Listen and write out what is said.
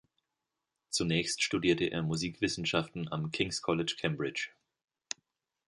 Zunächst studierte er Musikwissenschaften am King’s College Cambridge.